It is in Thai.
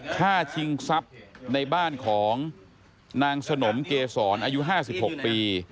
ฆ่าชิงทรัพย์ในบ้านของนางสนมเกษรอายุ๕๖ปี